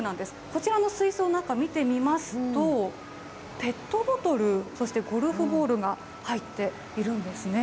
こちらの水槽の中、見てみますと、ペットボトル、そしてゴルフボールが入っているんですね。